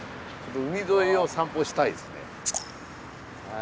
海沿いを散歩したいですね。